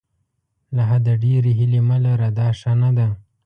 له حده ډېرې هیلې مه لره دا ښه نه ده.